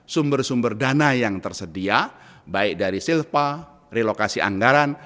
sumber sumber dana yang tersedia baik dari silpa relokasi anggaran